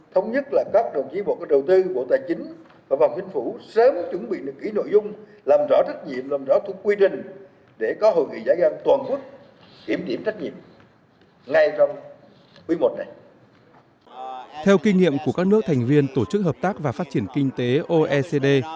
theo kinh nghiệm của các nước thành viên tổ chức hợp tác và phát triển kinh tế oecd